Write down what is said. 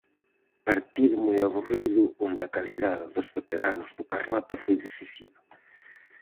Partido moi aburrido onde a calidade dos veteranos do Carnota foi decisiva.